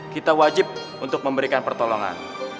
kita wajib untuk memberikan pertolongan